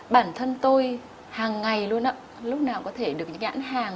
bản thân tôi hàng ngày luôn lúc nào có thể được những ảnh hàng